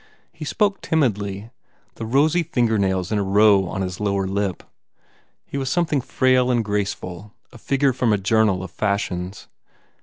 He spoke timidly, the rosy fingernails in a row on his lower lip. He was something frail and grace ful, a figure from a journal of fashions.